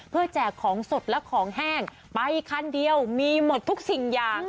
เพื่อแจกของสดและของแห้งไปคันเดียวมีหมดทุกสิ่งอย่าง